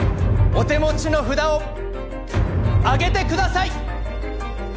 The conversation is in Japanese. お手持ちの札を上げてください！